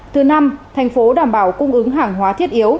thứ năm thành phố đảm bảo cung ứng hàng hóa thiết yếu